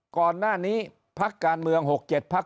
ก่อนหน้านี้พักการเมือง๖๗พัก